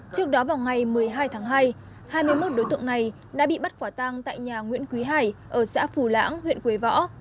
trước đó vào ngày một mươi hai tháng hai hai mươi một đối tượng này đã bị bắt quả tang tại nhà nguyễn quý hải ở xã phù lãng huyện quế võ